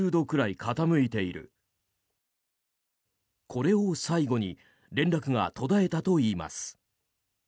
これを最後に連絡が途絶えたといいます。